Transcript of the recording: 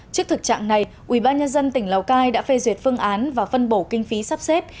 trước thực trạng này ubnd tỉnh lào cai đã phê duyệt phương án và phân bổ kinh phí sắp xếp